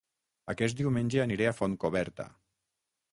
Aquest diumenge aniré a Fontcoberta